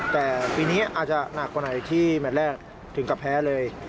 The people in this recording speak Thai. แต่ปีนี้อาจจะหนักกว่าไหนที่แมทแรกถึงกับแพ้เลย